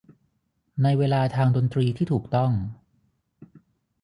ในเวลาทางดนตรีที่ถูกต้อง